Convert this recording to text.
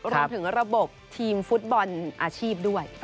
รวมถึงระบบทีมฟุตบอลอาชีพด้วย